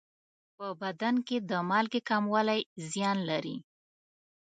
په بدن کې د مالګې کموالی زیان لري.